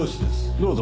どうぞ。